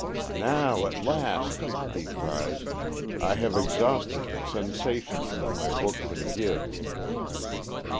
"Now, at last," he cries, "I have exhausted the sensations that my book can give!"